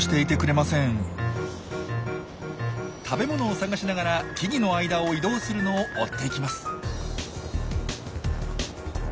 食べ物を探しながら木々の間を移動するのを追っていきます。